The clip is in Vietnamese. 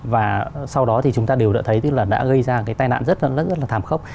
và sau đó thì chúng ta đều đã thấy tức là đã gây ra cái tai nạn rất rất là thảm khốc